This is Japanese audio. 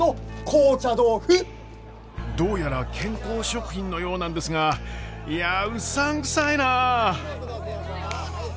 どうやら健康食品のようなんですがいやうさんくさいなあ。